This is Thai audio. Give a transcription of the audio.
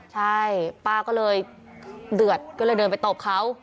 ใช่ป้าก็เลยเดือดก็เลยเดินไปตบเขา